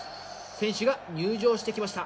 選手が入場してきました。